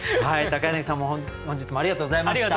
柳さんも本日もありがとうございました。